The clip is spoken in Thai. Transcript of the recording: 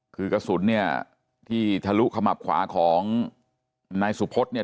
คือกระสุนเนี่ยที่ทะลุขมับขวาของนายสุพธเนี่ย